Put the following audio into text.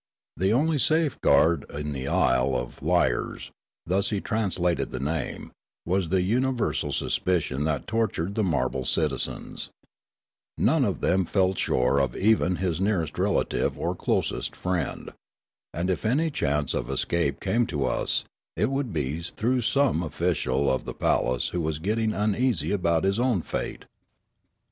The only safeguard in the Isle of Liars (thus he translated the name) was the univer sal suspicion that tortured the marble citizens. None Imprisonment and Escape 119 of them felt sure of even his nearest relative or closest friend. And if any chance of escape came to us, it would be through some official of the palace who was getting uneasy about his own fate.